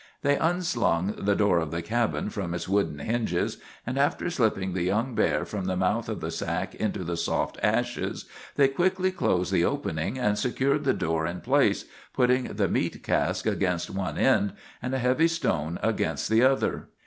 They unslung the door of the cabin from its wooden hinges, and, after slipping the young bear from the mouth of the sack into the soft ashes, they quickly closed the opening, and secured the door in place, putting the meat cask against one end and a heavy stone against the other.